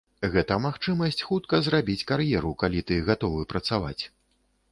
Гэта магчымасць хутка зрабіць кар'еру, калі ты гатовы працаваць.